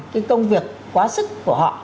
cái công việc quá sức của họ